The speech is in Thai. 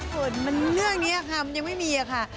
ส่วนเรื่องนี้ค่ะมันยังไม่มีค่ะ